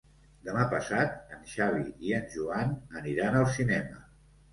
Demà passat en Xavi i en Joan aniran al cinema.